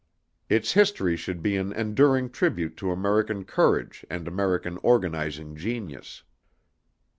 Its history should be an enduring tribute to American courage and American organizing genius.